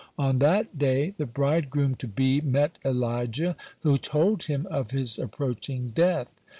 On that day, the bridegroom to be met Elijah, who told him of his approaching death.